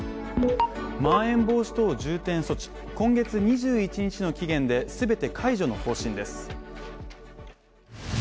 まん延防止等重点措置、今月２１日の期限で全て解除の方針です。